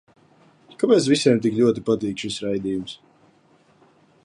Kāpēc visiem tik ļoti patīk šis raidījums?